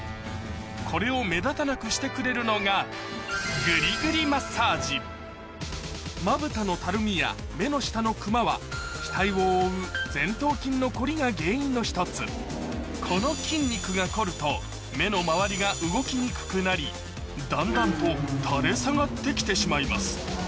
これを目立たなくしてくれるのがまぶたのたるみや目の下のクマは額を覆う前頭筋の凝りが原因の１つこの筋肉が凝ると目の周りのが動きにくくなりだんだんと垂れ下がって来てしまいます